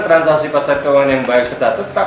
transaksi pasar keuangan yang baik serta tetap